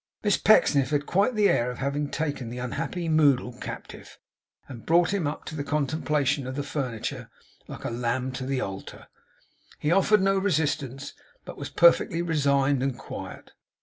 Miss Pecksniff had quite the air of having taken the unhappy Moddle captive, and brought him up to the contemplation of the furniture like a lamb to the altar. He offered no resistance, but was perfectly resigned and quiet.